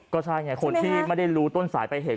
ก็ใช่ไงคนที่ไม่ได้รู้ต้นสายไปเหตุ